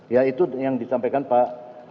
ya itu yang disampaikan pak